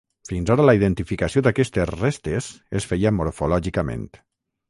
Fins ara la identificació d’aquestes restes es feia morfològicament.